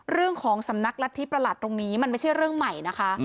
เรื่องของสำนักรัฐธิประหลัดตรงนี้มันไม่ใช่เรื่องใหม่นะคะ